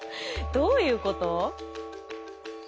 どういうこと？